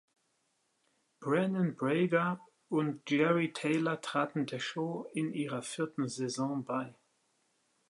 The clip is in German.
Brannon Braga und Jeri Taylor traten der Show in ihrer vierten Saison bei.